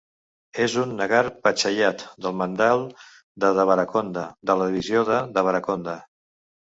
És un nagar panchayat del mandal de Devarakonda de la divisió de Devarakonda.